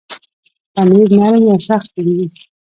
پنېر نرم یا سخت جوړېږي.